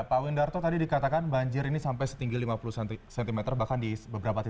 pak windarto tadi dikatakan banjir ini sampai setinggi lima puluh cm bahkan di beberapa titik